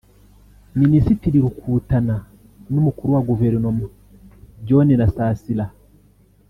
Minisitiri Rukutana n’Umukuru wa Guverinoma John Nasasira